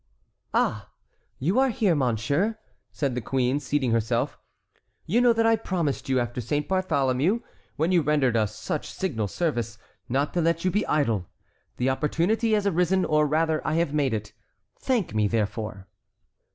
"Ah! you here, monsieur?" said the queen seating herself; "you know that I promised you after Saint Bartholomew, when you rendered us such signal service, not to let you be idle. The opportunity has arisen, or rather I have made it. Thank me, therefore."